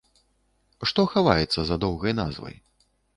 Што хаваецца за доўгай назвай?